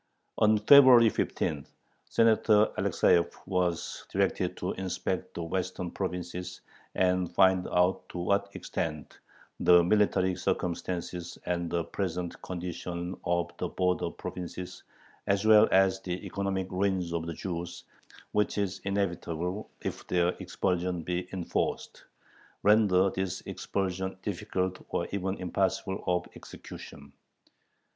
On February 15, Senator Alexeyev was directed to inspect the western provinces and find out to what extent "the military circumstances and the present condition of the border provinces as well as the economic ruin of the Jews, which is inevitable if their expulsion be enforced," render this expulsion difficult or even impossible of execution.